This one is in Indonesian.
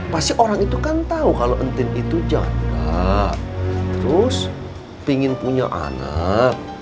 pasti orang itu kan tahu kalau entin itu jaga terus ingin punya anak